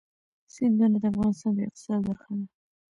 سیندونه د افغانستان د اقتصاد برخه ده.